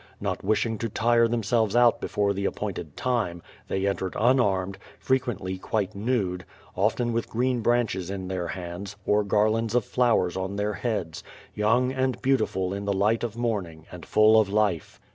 Not wishing to tire themselves out f before the appointed time, they entered unarmed, frequently r quite nude, often with green ])ranches in their hands, or gar t lands of flowers on their heads, young and beautiful in the r light of morning, and full of life.